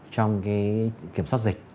trong kiểm soát dịch